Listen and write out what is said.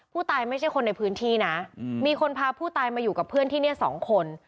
ไม่ใช่คนในพื้นที่นะมีคนพาผู้ตายมาอยู่กับเพื่อนที่นี่สองคน